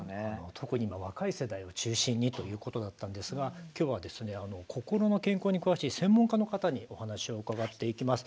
特に今若い世代を中心にということだったんですが今日はですね心の健康に詳しい専門家の方にお話を伺っていきます。